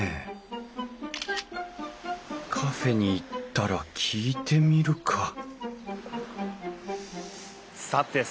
カフェに行ったら聞いてみるかさてさて